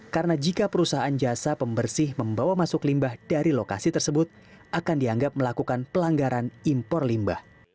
karena jika perusahaan jasa pembersih membawa masuk limbah dari lokasi tersebut akan dianggap melakukan pelanggaran impor limbah